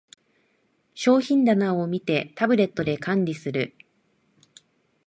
商品棚を見て、タブレットで管理する